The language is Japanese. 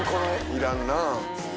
いらんなぁ。